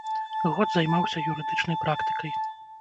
Год займаўся юрыдычнай практыкай.